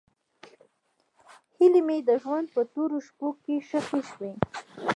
هیلې مې د ژوند په تورو شپو کې ښخې شوې.